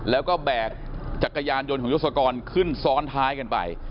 แล้วก็แบกจักรยานยนต์ของยศกรขึ้นซ้อนท้ายกันไป